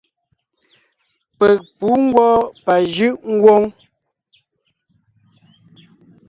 Peg pǔ ngwɔ́ pajʉʼ ngwóŋ.